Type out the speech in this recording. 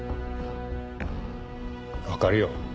わかるよ。